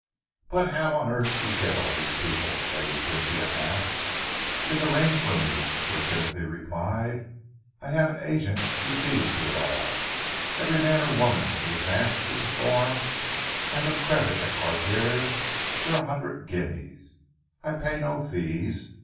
"But how on earth do you get all these people?" Lady Cynthia asked. "It is arranged for me," Sir Timothy replied. "I have an agent who sees to it all. Every man or woman who is asked to perform, has a credit at Cartier's for a hundred guineas. I pay no fees.